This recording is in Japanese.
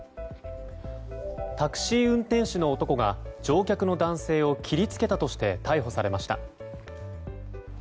タクシー運転手の男が乗客の男性を切りつけたとして逮捕されました。